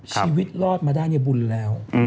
ชีวิตรอดมาได้เนี่ยบุญแล้ว